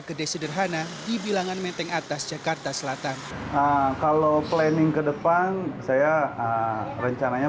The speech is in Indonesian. gede sederhana di bilangan menteng atas jakarta selatan kalau planning ke depan saya rencananya